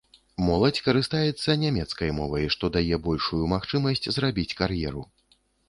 Моладзь карыстаецца нямецкай мовай, што дае большую магчымасць зрабіць кар'еру.